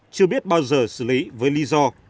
chưa biết bao giờ xử lý với lý do